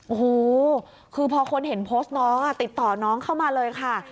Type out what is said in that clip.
โอ้โหคือพอคนเห็นโพสต์น้องติดต่อน้องเข้ามาเลยค่ะ